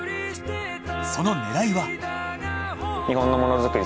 その狙いは？